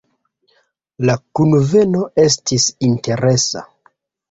La kunveno estis interesa.